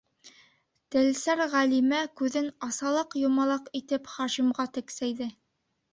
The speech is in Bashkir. - Телсәр Ғәлимә күҙен асалаҡ-йомалаҡ итеп Хашимға тексәйҙе.